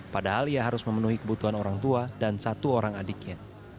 padahal ia harus memenuhi kebutuhan orang tua dan satu orang adiknya